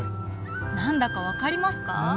なんだか分かりますか？